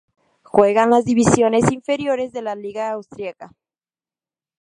Juega en las divisiones inferiores de la liga austríaca.